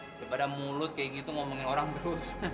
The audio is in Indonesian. daripada mulut kayak gitu ngomongin orang terus